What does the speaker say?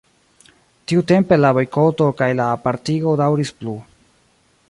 Tiutempe la bojkoto kaj la apartigo daŭris plu.